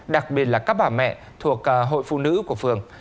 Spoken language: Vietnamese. đặc biệt là các bà mẹ thuộc hội phụ nữ của phường